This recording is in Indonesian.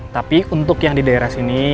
tapi untuk yang di daerah sini